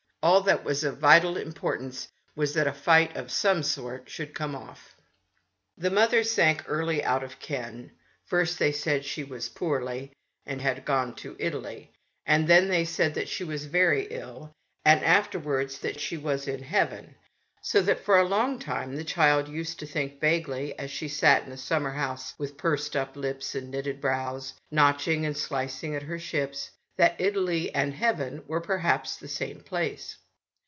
All that was of vital importance was that a fight of some sort should come off. The mother sank early out of ken. First they said that she was poorly, and had gone to Italy, and then tbey said that she was very ill, and afterward that she was in heaven; so that for a long time the child used to think vaguely, as she sat in the sum 20 THE STORY OF A MODERN WOMAN. merhouse with pursed up lips and knitted brows, notching and slicing at her ships, that Italy and heaven were perhaps the same place.